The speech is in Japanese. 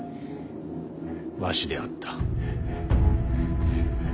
わしであった。